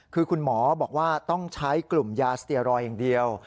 คือคุณหมอบอกว่าต้องใช้กลุ่มยาสเตียรอยอย่างเดียว